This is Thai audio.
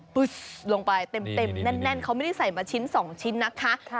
ลงไปเต็มแน่นเขาไม่ได้ใส่มาชิ้น๒ชิ้นนะคะ